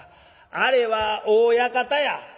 あれは大屋形や」。